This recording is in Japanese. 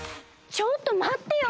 ちょっとまってよ